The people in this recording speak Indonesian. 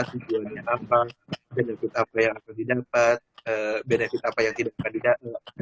tujuannya apa benefit apa yang akan didapat benefit apa yang tidak akan didapat